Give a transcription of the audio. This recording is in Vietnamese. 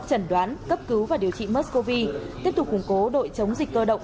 trần đoán cấp cứu và điều trị mers cov tiếp tục củng cố đội chống dịch cơ động